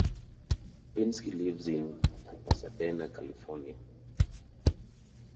Pinsky lives in Pasadena, California.